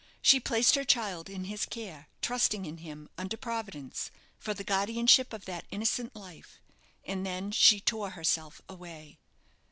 She placed her child in his care, trusting in him, under Providence, for the guardianship of that innocent life; and then she tore herself away.